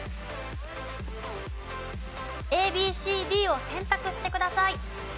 ＡＢＣＤを選択してください。